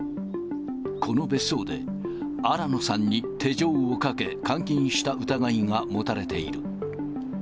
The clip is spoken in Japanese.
この別荘で新野さんに手錠をかけ、監禁した疑いが持たれている。